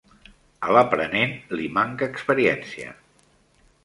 A l'aprenent li manca experiència.